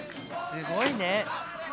すごいね。